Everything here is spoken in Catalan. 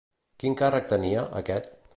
Quin càrrec tenia, aquest?